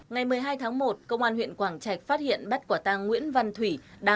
ngày một mươi hai tháng một công an huyện quảng trạch phát hiện bắt quả tăng nguyễn văn thủy